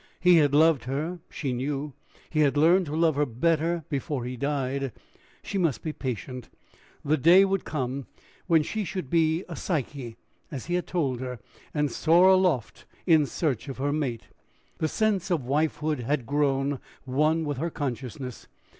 He had loved her, she knew; he had learned to love her better before he died. She must be patient; the day would come when she should be a Psyche, as he had told her, and soar aloft in search of her mate. The sense of wifehood had grown one with her consciousness.